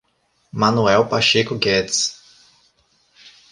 Manoel Pacheco Guedes